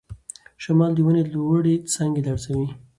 شمال د ونې لوړې څانګې لړزوي.